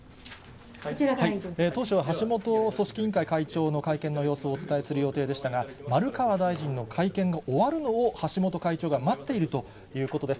当初、橋本組織委員会会長の会見の様子をお伝えする予定でしたが、丸川大臣の会見が終わるのを橋本会長が待っているということです。